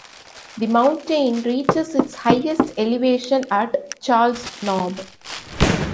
The mountain reaches its highest elevation at Charles Knob.